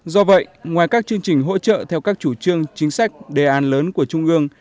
do vậy ngoài các chương trình hỗ trợ theo các chủ trương chính sách đề án lớn của trung ương